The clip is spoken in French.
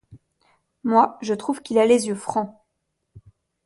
Moi, je trouve qu'il a les yeux francs.